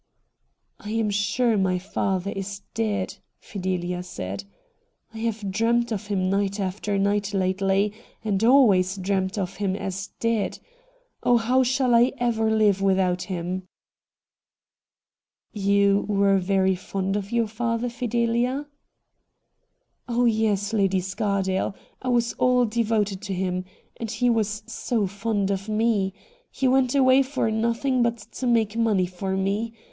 'I am sure my father is dead,' Fideha said. ' I have dreamed of him night after night lately — and always dreamed of him as dead. Oh, how shall I ever live without him ?' 'You were very fond of your father, Fidelia?' FIDELIA LOCKE 153 ' Oh yes, Lady Scardale — I was all devoted to him — and he was so fond of me ! He went away for nothing but to make money for me.